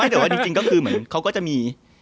แต่ว่าจริงก็คือเหมือนเขาก็จะมี